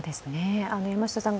山下さん